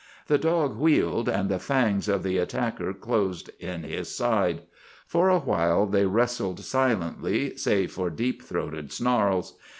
The dog wheeled, and the fangs of the attacker closed in his side. For a while they wrestled silently, save for deep throated snarls.